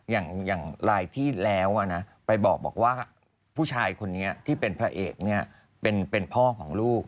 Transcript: อย่างลายที่แล้วไปบอกว่าผู้ชายคนนี้ที่เป็นพระเอกเนี่ยเป็นพ่อของลูก